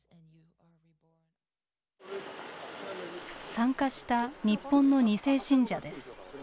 参加した日本の２世信者です。